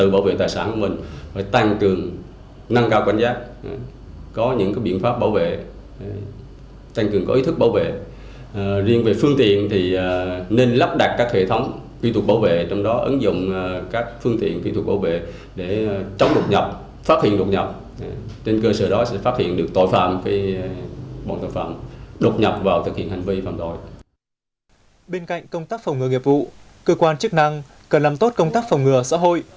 bên cạnh công tác phòng ngừa nghiệp vụ cơ quan chức năng cần làm tốt công tác phòng ngừa xã hội